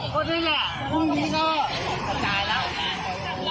ก็นี่แหละพรุ่งนี้ก็ประจายแล้ว